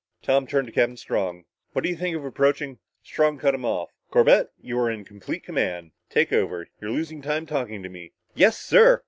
Tom turned to Captain Strong. "What do you think of approaching " Strong cut him off. "Corbett, you are in complete command. Take over you're losing time talking to me!" "Yes, sir!"